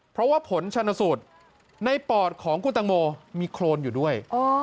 เพราะว่าผลชนสูตรในปอดของคุณตังโมมีโครนอยู่ด้วย